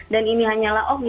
dan ini hanyalah off